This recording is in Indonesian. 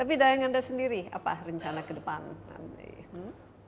tapi dayang anda sendiri apa rencana ke depan nanti